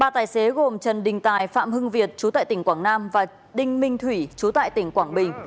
ba tài xế gồm trần đình tài phạm hưng việt chú tại tỉnh quảng nam và đinh minh thủy chú tại tỉnh quảng bình